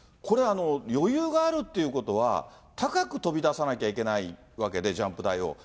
これ、余裕があるっていうことは、高く跳び出さなきゃいけないわけで、ジャンプ台を。